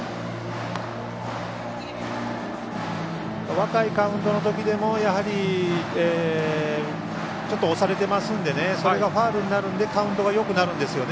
若いカウントのときでもちょっと押されてますのでそれがファウルになるのでカウントがよくなるんですよね。